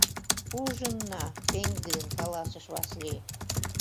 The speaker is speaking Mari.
— Ужынна! — пеҥгыдын каласыш Васлий.